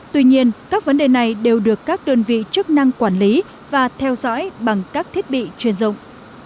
tuy nhiên các vấn đề này đều được các đơn vị chức năng quản lý và theo dõi bằng các thiết bị chuyên dụng